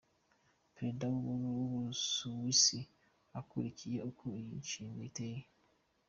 Perezida w'u Busuwisi akukirkiye uko iyi mishinga iteye.